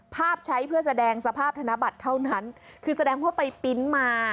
ภาพใช้เพื่อแสดงสภาพธนบัตรเท่านั้นคือแสดงว่าไปปริ้นต์มา